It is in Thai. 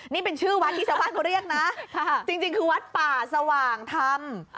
นี่เป็นชื่อวัดที่ชาวบ้านเขาเรียกนะจริงคือวัดป่าสว่างธรรม